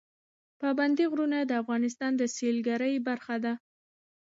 پابندی غرونه د افغانستان د سیلګرۍ برخه ده.